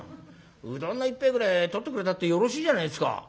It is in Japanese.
うどんの一杯ぐれえ取ってくれたってよろしいじゃないですか」。